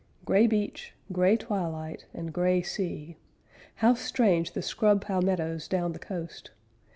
Gray beach, gray twilight, and gray sea How strange the scrub palmettoes down the coast!